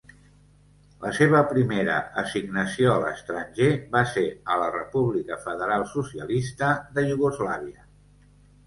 La seva primera assignació a l'estranger va ser a la República Federal Socialista de Iugoslàvia.